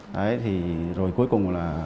đấy thì rồi cuối cùng là